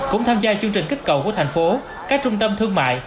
cũng tham gia chương trình kích cầu của thành phố các trung tâm thương mại